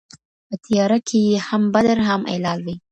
په تیاره کي یې هم بدر هم هلال وي